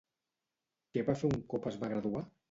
Què va fer un cop es va graduar?